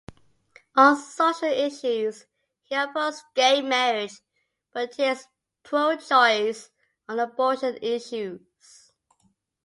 On social issues, he opposed gay marriage but is pro-choice on abortion issues.